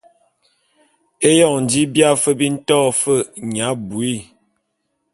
Eyon ji bia fe bi nto fe nya abuii.